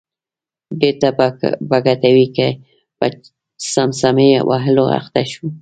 بېرته په کټوې کې په څمڅۍ وهلو اخته شو.